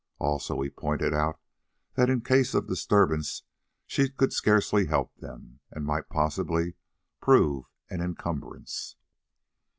Also he pointed out that in case of disturbance she could scarcely help them, and might possibly prove an encumbrance.